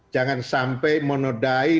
jangan sampai monodai